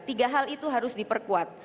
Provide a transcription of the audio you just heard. tiga hal itu harus diperkuat